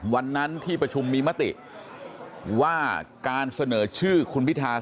วันนั้นที่ประชุมมีมติว่าการเสนอชื่อคุณพิทา